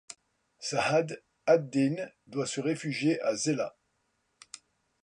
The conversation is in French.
Sa'ad ad-Din doit se réfugier à Zeilah.